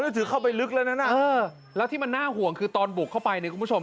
ถือเข้าไปลึกแล้วนั้นแล้วที่มันน่าห่วงคือตอนบุกเข้าไปเนี่ยคุณผู้ชม